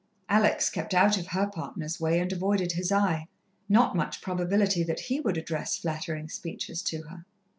Alex kept out of her partner's way, and avoided his eye. Not much probability that he would address flattering speeches to her!